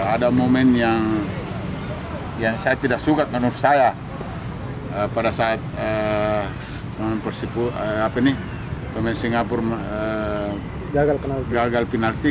ada momen yang saya tidak suka menurut saya pada saat pemain singapura gagal penalti